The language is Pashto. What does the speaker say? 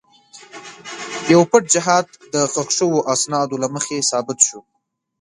یو پټ جهاد د ښخ شوو اسنادو له مخې ثابت شو.